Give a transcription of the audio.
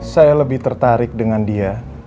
saya lebih tertarik dengan dia